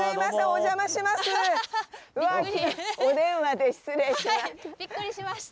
お電話で失礼しました。